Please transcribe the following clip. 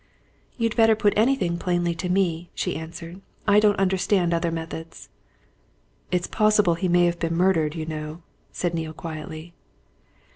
"You'd better put anything plainly to me," she answered. "I don't understand other methods." "It's possible he may have been murdered, you know," said Neale quietly.